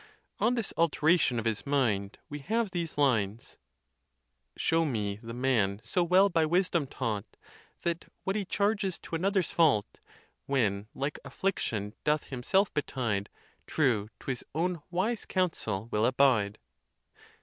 On this alteration of his mind we have these lines: Show me the man so well by wisdom taught That what he charges to another's fault, When like affliction doth himself betide, True to his own wise counsel will abide.